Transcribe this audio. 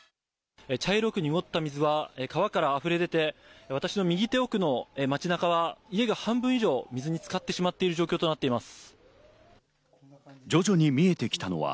茶色く濁った水は川から溢れまして、私の右手奥の街中は家が半分以上、水に浸かってしまっている状況となります。